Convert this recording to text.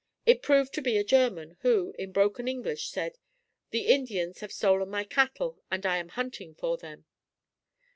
It proved to be a German who, in broken English said, "The Indians have stolen my cattle and I am hunting for them."